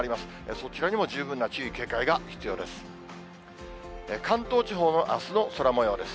そちらにも十分な注意、警戒が必要です。